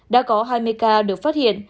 đã có hai mươi ca được phát hiện